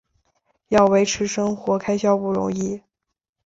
要维持生活开销不容易